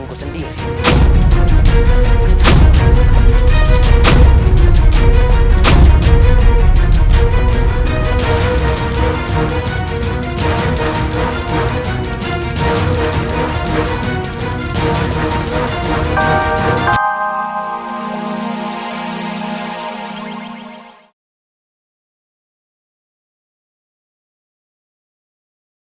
takarda aku'u bisa berlupaku